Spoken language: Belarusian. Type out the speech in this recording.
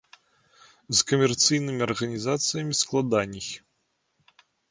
З камерцыйнымі арганізацыямі складаней.